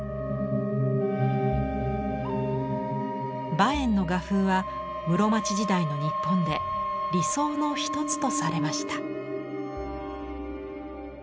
馬遠の画風は室町時代の日本で理想の一つとされました。